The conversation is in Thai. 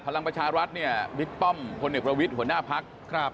พลังประชารัฐนี่วิตป้อมคนเนียกระวิทหัวหน้าภักร